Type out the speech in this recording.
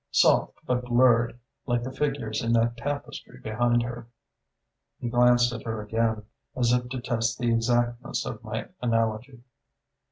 Soft but blurred, like the figures in that tapestry behind her." He glanced at her again, as if to test the exactness of my analogy.